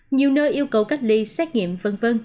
nhiều nơi yêu cầu cách ly xét nghiệm v v